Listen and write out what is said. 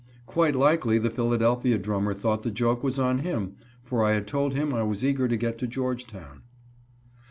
Quite likely the Philadelphia drummer thought the joke was on him, for I had told him I was so eager to get to Georgetown.